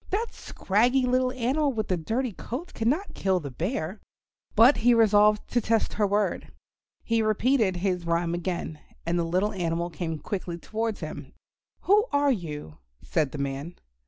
That scraggy little animal with the dirty coat cannot kill the Bear." But he resolved to test her word. He repeated his rhyme again, and the little animal came quickly towards him. "Who are you?" said the man.